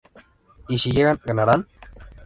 Y si llegan, ¿ganarán?